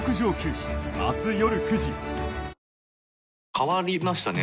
変わりましたね。